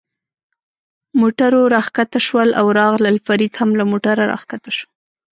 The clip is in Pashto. موټرو را کښته شول او راغلل، فرید هم له موټره را کښته شو.